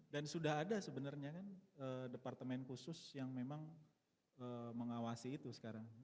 dan sudah ada sebenarnya departemen khusus yang memang mengawasi itu sekarang